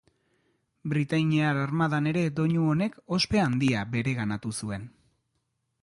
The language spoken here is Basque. Britainiar Armadan ere doinu honek ospe handia bereganatu zuen.